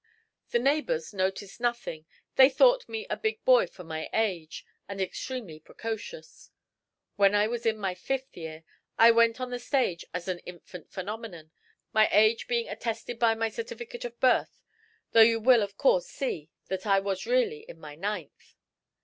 The neighbours noticed nothing; they thought me a big boy for my age, and extremely precocious. When I was in my fifth year I went on the stage as an 'infant phenomenon,' my age being attested by my certificate of birth, though you will of course see that I was really in my ninth.